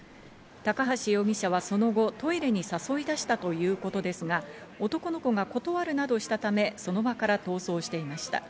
高橋容疑者はその後、トイレに誘い出したということですが、男の子が断るなどしたため、その場から逃走していました。